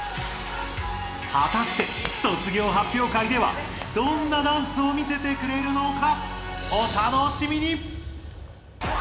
はたして卒業発表会ではどんなダンスを見せてくれるのか？